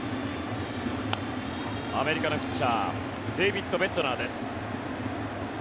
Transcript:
アメリカのピッチャーデービッド・ベッドナーです。